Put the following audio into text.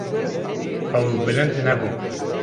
Ew bilind nebû.